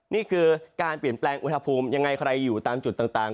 นี่คือการเปลี่ยนแปลงอุณหภูมิยังไงใครอยู่ตามจุดต่าง